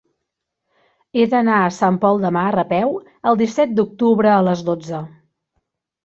He d'anar a Sant Pol de Mar a peu el disset d'octubre a les dotze.